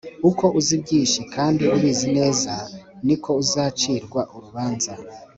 uko uzi byinshi kandi ubizi neza niko uzacirwa urubanza